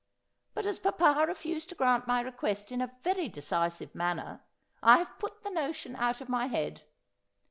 But as papa refused to grant my request in a very decisive manner, I have put the notion out of my head.